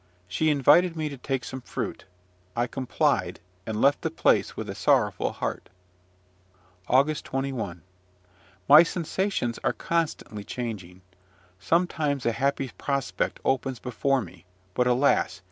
She invited me to take some fruit: I complied, and left the place with a sorrowful heart. AUGUST 21. My sensations are constantly changing. Sometimes a happy prospect opens before me; but alas!